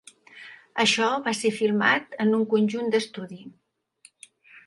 Això va ser filmat en un conjunt d'estudi.